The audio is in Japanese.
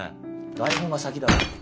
台本が先だろ。